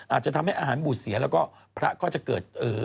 อาจจะทำให้อาหารบุตรเสียแล้วก็พระก็จะเกิด